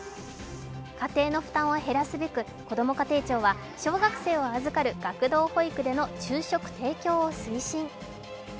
家庭の負担を減らすべくこども家庭庁は小学生を預かる学童保育での昼食提供を推進。